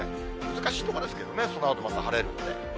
難しいところですけどね、そのあとまた晴れるんで。